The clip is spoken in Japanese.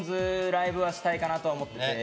ライブはしたいかなと思ってて。